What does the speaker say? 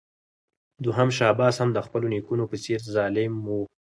دوهم شاه عباس هم د خپلو نیکونو په څېر ظالم و.